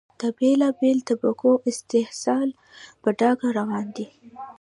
د بېلا بېلو طبقو استحصال په ډاګه روان دی.